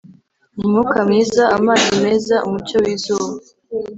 umwuka mwiza amazi meza umucyo wizuba